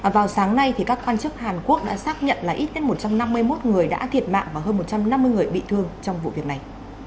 vào sáng nay các quan chức hàn quốc đã xác nhận là ít nhất một trăm năm mươi một người đã thiệt mạng và hơn một trăm năm mươi người bị thương trong vụ việc này